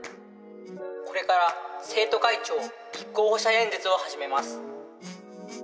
これから生徒会長立候補者演説を始めます。